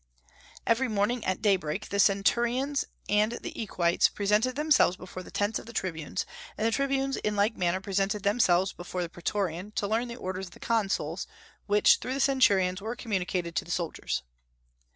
Every morning at daybreak the centurions and the equites presented themselves before the tents of the tribunes, and the tribunes in like manner presented themselves before the praetorian, to learn the orders of the consuls, which through the centurions were communicated to the soldiers.